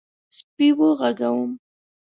_سپی وغږوم؟